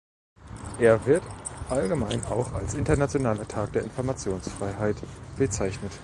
Er wird allgemein auch als Internationaler Tag der Informationsfreiheit bezeichnet.